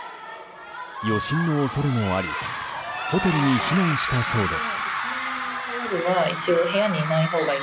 余震の恐れもありホテルに避難したそうです。